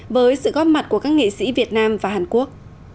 với sự góp mặt của các nghệ sĩ việt nam và hàn quốc